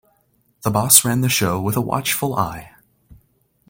The boss ran the show with a watchful eye.